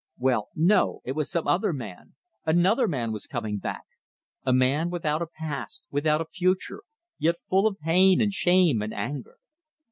Well, no! It was some other man. Another man was coming back. A man without a past, without a future, yet full of pain and shame and anger.